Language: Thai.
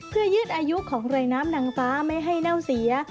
เพื่อยืดอายุของรายน้ำนางฟ้าไม่ให้เน่าเสีย